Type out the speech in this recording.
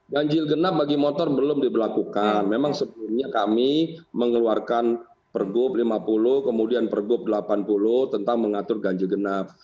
ganjil genap bagi motor belum diberlakukan memang sebelumnya kami mengeluarkan pergub lima puluh kemudian pergub delapan puluh tentang mengatur ganjil genap